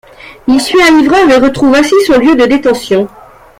Il suit un livreur et retrouve ainsi son lieu de détention.